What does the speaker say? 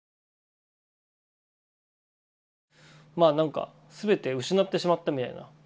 まあなんか全て失ってしまったみたいな。